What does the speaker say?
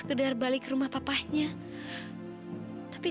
padahal itu kerabatan ayam